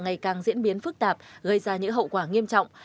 ngày càng diễn biến phức tạp gây ra những hậu quả nghiêm trọng